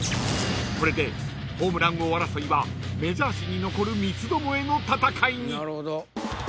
［これでホームラン王争いはメジャー史に残る三つどもえの戦いに］